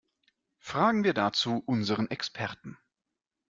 Fragen wir dazu unseren Experten.